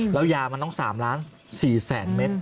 แล้วยามันต้อง๓๔ล้านเม็ด